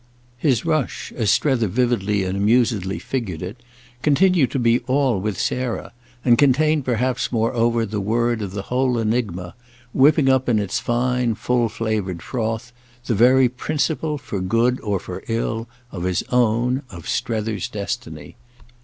His rush—as Strether vividly and amusedly figured it—continued to be all with Sarah, and contained perhaps moreover the word of the whole enigma, whipping up in its fine full flavoured froth the very principle, for good or for ill, of his own, of Strether's destiny.